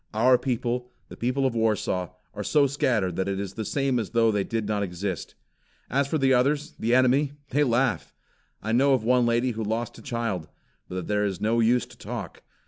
Our people, the people of Warsaw, are so scattered, that it is the same as though they did not exist. As for the others, the enemy, they laugh. I know of one lady who lost a child But there is no use to talk.